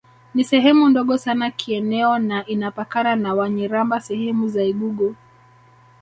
Ni sehemu ndogo sana kieneo na inapakana na Wanyiramba sehemu za lgugu